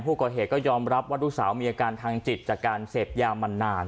ผู้ก่อเหตุก็ยอมรับว่าลูกสาวมีอาการทางจิตจากการเสพยามานาน